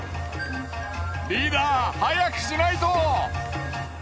リーダー早くしないと。